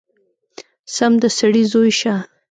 سم د سړي زوی شه!!!